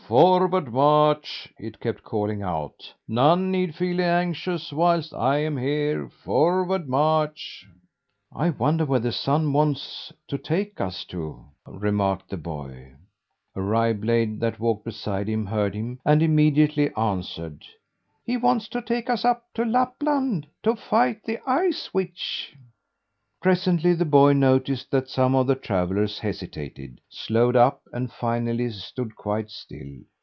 "Forward, march!" it kept calling out. "None need feel anxious whilst I am here. Forward, march!" "I wonder where the Sun wants to take us to?" remarked the boy. A rye blade that walked beside him heard him, and immediately answered: "He wants to take us up to Lapland to fight the Ice Witch." Presently the boy noticed that some of the travellers hesitated, slowed up, and finally stood quite still.